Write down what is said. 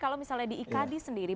kalau misalnya di ikd sendiri